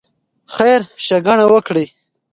خیر ښېګڼه وکړئ.